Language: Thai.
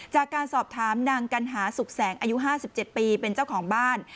จากการสอบถามนางกัณหาสุขแสงอายุ๕๗ปีเป็นเจ้าของบ้าน